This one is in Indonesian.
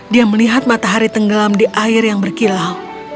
dia melihat matahari tenggelam di air yang berkilau